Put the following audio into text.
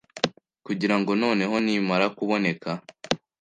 kugira ngo noneho nimara kuboneka